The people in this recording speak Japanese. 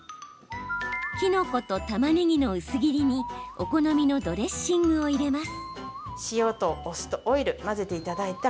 きのことたまねぎの薄切りにお好みのドレッシングを入れます。